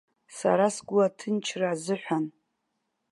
Сара сгәы аҭынчра азыҳәан.